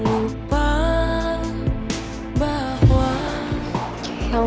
yang kuat ya ivan